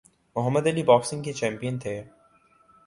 محمد Ali boxing کے champion تھے۔